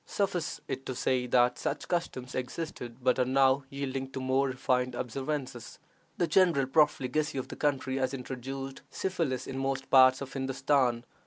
Suffice it to say that such customs existed, but are now yielding to more refined observances. The general profligacy of the country has introduced syphilis in most parts of Hindostan.